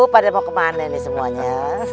padahal mau kemana nih semuanya